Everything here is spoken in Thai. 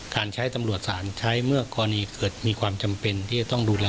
การใช้ตำรวจสารใช้เมื่อกรณีเกิดมีความจำเป็นที่จะต้องดูแล